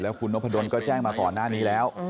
แล้วคุณนกพนตร์ดนก็แจ้งมาต่อหน้านี้แล้ว